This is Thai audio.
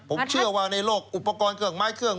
ผมเชื่อว่าในโลกอุปกรณ์เครื่องไม้เครื่อง